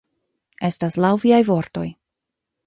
Estas laŭ viaj vortoj.